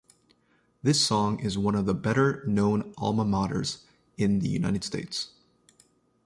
This song is one of the better known alma maters in the United States.